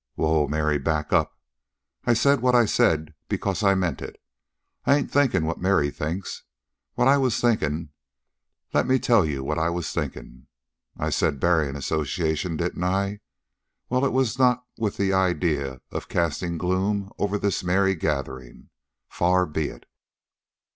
"Whoa, Mary! Back up! I said what I said because I meant it. I ain't thinkin' what Mary thinks. What I was thinkin'.... Let me tell you what I was thinkin'. I said buryin' association, didn't I? Well, it was not with the idea of castin' gloom over this merry gatherin'. Far be it...."